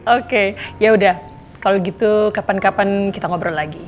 oke yaudah kalau gitu kapan kapan kita ngobrol lagi